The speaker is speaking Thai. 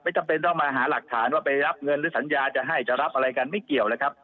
จำเป็นต้องมาหาหลักฐานว่าไปรับเงินหรือสัญญาจะให้จะรับอะไรกันไม่เกี่ยวเลยครับ